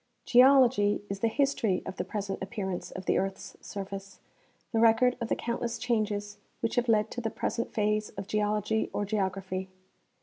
Geology is the history of the present appearance of the earth's surface, the record of the countless changes which have led to the present phase of geology or geography.